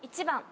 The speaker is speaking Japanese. １番。